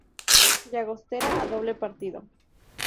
Llagostera a doble partido.